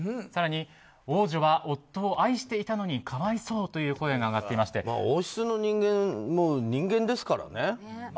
更に、王女は夫を愛していたのに可哀想という声が上がっていまして王室の人間も人間ですからね。